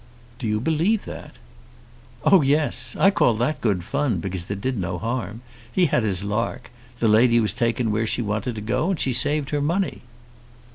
"Do you believe that?" "Oh yes. I call that good fun, because it did no harm. He had his lark. The lady was taken where she wanted to go, and she saved her money."